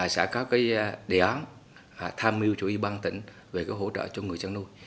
sở có cái đề án tham mưu cho y băng tỉnh về hỗ trợ cho người chân nuôi